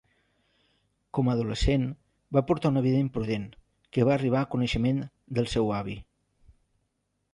Com adolescent, va portar una vida imprudent, que va arribar a coneixement del seu avi.